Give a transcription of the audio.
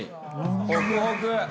ホクホク！